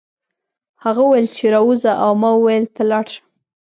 هغه وویل چې راوځه او ما وویل ته لاړ شه